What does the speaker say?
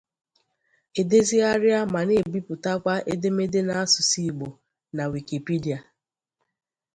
edezigharị ma na-ebipụtakwa edemede n'asụsụ Igbo na Wikipedia.